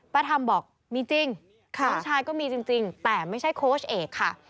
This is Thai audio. ทำบอกมีจริงน้องชายก็มีจริงแต่ไม่ใช่โค้ชเอกค่ะ